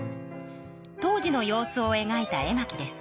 当時の様子をえがいた絵巻です。